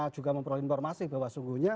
juga memperoleh informasi bahwa sungguhnya